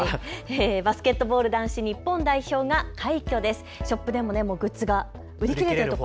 バスケットボール男子日本代表が快挙です。